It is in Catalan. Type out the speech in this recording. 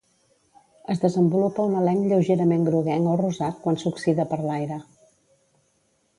Es desenvolupa un elenc lleugerament groguenc o rosat quan s'oxida per l'aire.